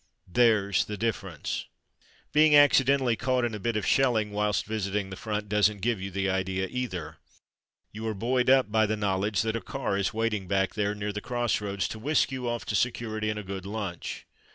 There's the difference. A Keen Division 51 Being accidentally caught in a bit of shelling whilst visiting the front doesn't give you the idea either. You are buoyed up by the knowledge that a car is waiting back there near the crossroads to whisk you off to security and a good lunch.